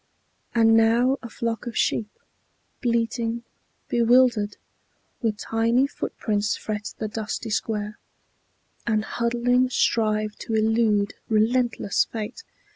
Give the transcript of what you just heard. And now a flock of sheep, bleating, bewildered, With tiny footprints fret the dusty square, And huddling strive to elude relentless fate.